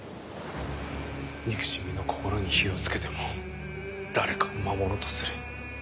憎しみの心に火を付けても誰かを守ろうとする。